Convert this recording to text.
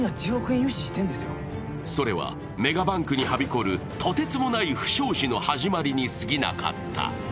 それは、メガバンクにはびこるとてつもない不祥事の始まりにすぎなかった。